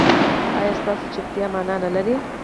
ایا ستاسو چوپتیا معنی نلري؟